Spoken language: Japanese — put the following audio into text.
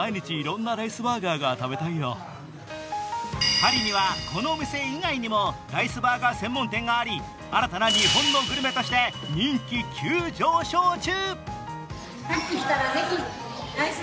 パリには、このお店以外にもライスバーガー専門店があり新たな日本のグルメとして人気急上昇中。